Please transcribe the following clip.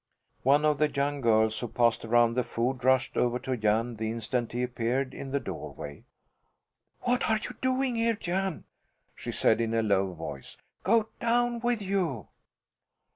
One of the young girls who passed around the food rushed over to Jan the instant he appeared in the doorway. "What are you doing here, Jan?" she said in a low voice. "Go down with you!"